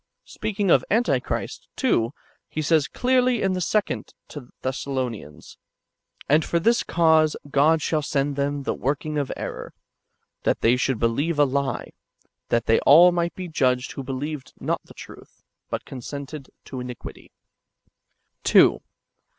^ Speaking of antichrist, too, he says clearly in the Second to the Thessa lonians :^' And for this cause God shall send them the work ing of error, that they should believe a lie ; that they all might be judged who believed not the truth, but consented to iniquity." ^ 2.